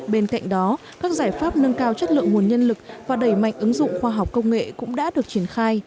bên cạnh đó các giải pháp nâng cao chất lượng nguồn nhân lực và đẩy mạnh ứng dụng khoa học công nghệ cũng đã được triển khai